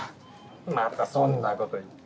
またそんなこと言って。